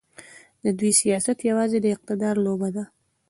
د دوی سیاست یوازې د اقتدار لوبه ده.